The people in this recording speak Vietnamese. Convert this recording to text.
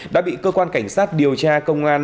đã bị cơ quan cảnh sát điều tra công an